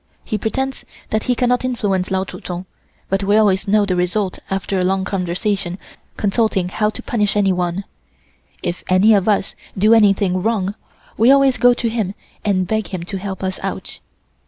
He pretends that he cannot influence Lao Tsu Tsung, but we always know the result after a long conversation consulting how to punish anyone. If any of us do anything wrong, we always go to him and beg him to help us out.